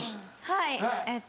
はいえっと